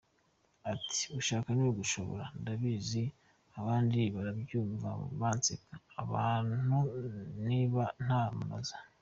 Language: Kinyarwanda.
Ati “Gushaka ni ugushobora, ndabizi abantu barabyumva banseke, abantu nib a nta munoza.